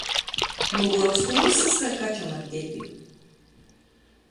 Nūglauzt ūsys kai kačam ar depi.